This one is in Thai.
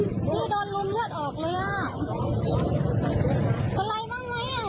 อุ๊ยพี่โดนรุมเลือดออกเลยอ่ะ